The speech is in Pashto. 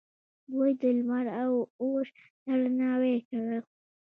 دوی د لمر او اور درناوی کاوه